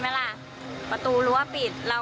มันเป็นแบบที่สุดท้าย